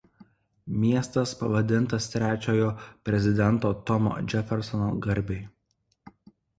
Miestas pavadintas trečiojo prezidento Tomo Džefersono garbei.